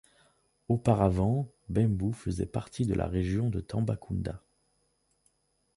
Auparavant Bembou faisait partie de la région de Tambacounda.